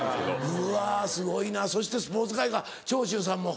うわすごいなそしてスポーツ界から長州さんも。